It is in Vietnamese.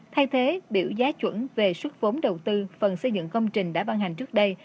thay thế biểu giá chuẩn về xuất vốn đầu tư phần xây dựng công trình đã ban hành trước đây